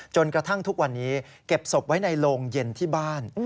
จนกระทั่งทุกวันนี้เก็บศพไว้ในโรงเย็นที่บ้าน